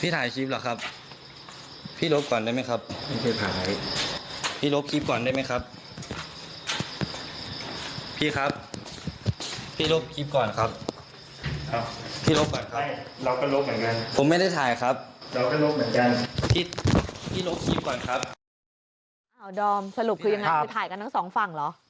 ดอมสรุปคือยังไงคือถ่ายกันทั้งสองฝั่งเหรอ